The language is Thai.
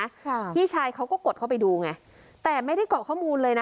ค่ะพี่ชายเขาก็กดเข้าไปดูไงแต่ไม่ได้เกาะข้อมูลเลยนะ